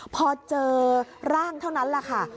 พอเจอร่างเท่านั้นแหละค่ะ